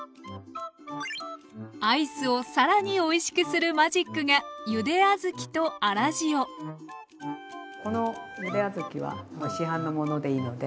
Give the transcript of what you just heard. アイスをさらにおいしくするマジックがこのゆで小豆は市販のものでいいので。